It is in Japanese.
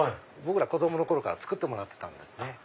僕ら子供の頃から作ってもらってたんですね。